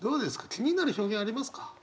気になる表現ありますか？